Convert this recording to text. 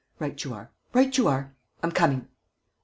... Right you are! Right you are! I'm coming.